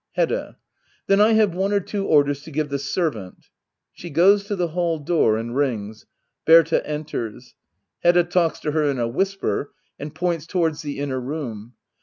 Hedda. Then I have one or two orders to give the servant [She goes to the hall door and rings. Berta enters. Hedda talks to her in a whisper, and points towards the inner room.